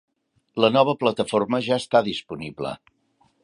La nova plataforma ja està disponible.